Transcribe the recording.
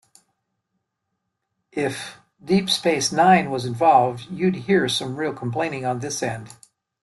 If "Deep Space Nine" was involved, you'd hear some real complaining on this end.